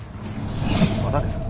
またですか。